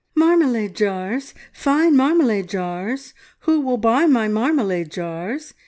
"Marmalade jars! Fine marmalade jars! Who will buy my marmalade jars?"